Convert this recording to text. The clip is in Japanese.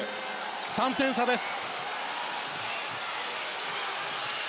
３点差です。